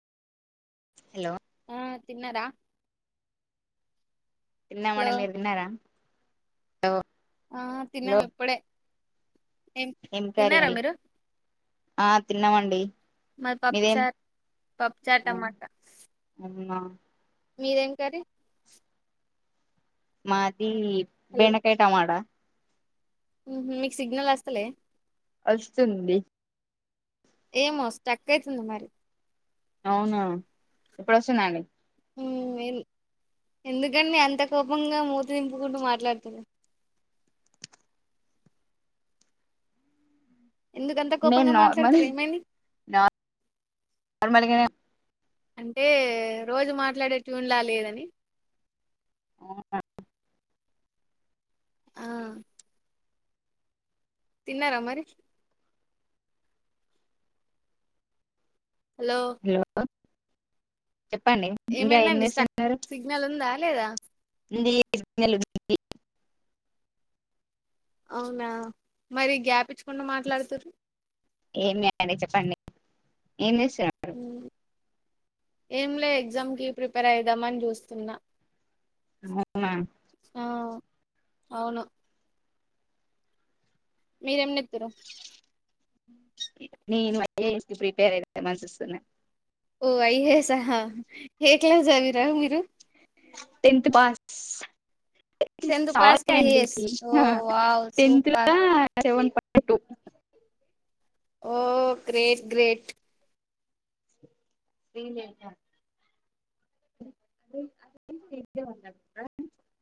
Hello ఆ తిన్నారా hello తిన్నామునంది మీరు తిన్నారా ఆ హలో తిన్నాము ఇప్పుడే ఏం కర్రీ తిన్నారా అండి మీరు ఆ తిన్నామండి మా మీదేం పప్చార్ పప్పు చారు టమాట అవునా మీరేం కర్రీ మాదీ హలో బెనకాయ‌ టమోటా మీకు సిగ్నల్ వస్తలే. వస్స్తుంది ఏమో స్టక్ అయితుంది మరీ. అవునా ఎప్పుడు వాస్తుందండి. ఉమ్ వేల్ ఎందుకండి అంత కోపంగా మూతి తింపుకుంటూ మాట్లాతుని. ఎందుకంత నే కోపంగా నార్మల్ మాట్లాడుతారు ఏమైంది న నార్మల్గానే అంటే రోజు మాట్లాడే ట్యూన్ లా లేదు అడి అవునా ఆహా తిన్నారా మరీ హాలో హలో చెప్పండి ఇంకా ఏం ఏమైందండి స్టక్ చేస్తున్నారు సిగ్నల్ ఉందా లేదా ఇన్జీ నల్ ఉంది అవునా మరి గ్యాపించు మాట్లాతురు ఏమి లేదు అడి చెప్పండి ఏం చేసినారు మ్, ఏం లే ఎగ్జామ్కి ప్రిపేర్ అయిదామని చూస్తున్నా. ఎమునా హాఆ అవును మీరేం నెతురు నేను మకి ప్రిపేర్ అయితే మనంచిస్తున్నా. ఓ అఐహసా హా ఎ కలాజవిరా మీరు టెన్త్ పాస్ టెన్త్ పాస్ కి సారీ అంది ఐఏఎస్ ఓ హ్హ వావ్ టెన్త్ లొ సూపర్ సవె ఏ టూ ఓహ్ గ్రేట్ గ్రేట్ స్రీలేఖ